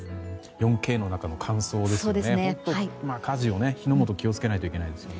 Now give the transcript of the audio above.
４Ｋの中の乾燥ですよね。